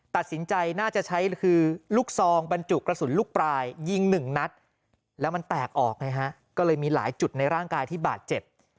ตัดสินใจน่าจะใช้คือลูกซองบรรจุกระสุนลูกปลายยิงหนึ่งนัดแล้วมันแตกออกไงฮะก็เลยมีหลายจุดในร่างกายที่บาดเจ็บ